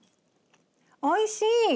おいしい！